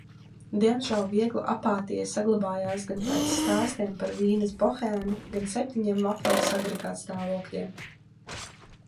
Diemžēl viegla apātija saglabājās gan pēc stāstiem par Vīnes bohēmu, gan septiņiem vafeles agregātstāvokļiem.